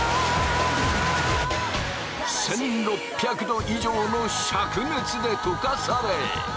１，６００度以上の灼熱でとかされ。